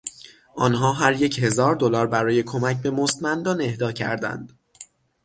آنها هریک هزار دلار برای کمک به مستمندان اهدا کردند.